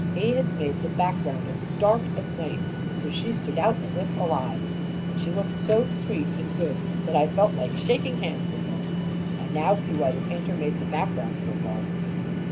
He had made the background as dark as night and so she stood out as if alive; and she looked so sweet and good that I felt like shaking hands with her. I now see why the painter made the background so dark."